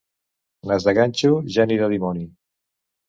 Nas de ganxo, geni de dimoni.